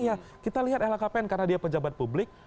ya kita lihat lhkpn karena dia pejabat publik